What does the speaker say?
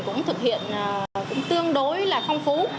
cũng thực hiện tương đối là phong phú